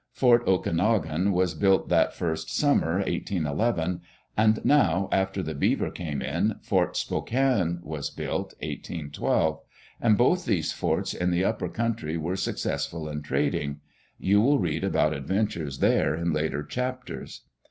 Fort Okanogan was built that first summer, 1811, and now, after the Beaver came in, Fort Spokane was built, 18 12; and both these forts in the upper country were successful in trading. You will read about adven tures there in later chapters.